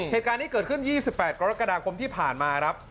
เหตุการณ์นี้เกิดขึ้น๒๘กรกฎาคมที่ผ่านมาครับ